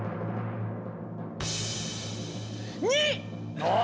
２！